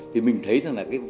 thì mình thấy rằng là